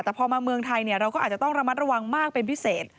แต่พอมาเมืองไทยเราก็อาจจะต้องระมัดระวังมากเป็นพิเศษ